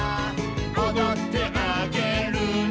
「おどってあげるね」